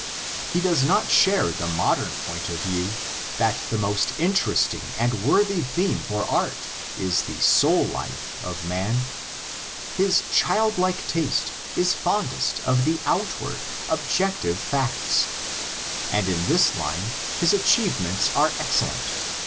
He does not share the modern point of view that the most interesting and worthy theme for art is the soul life of man; his childlike taste is fondest of the outward, objective facts. And in this line his achievements are excellent.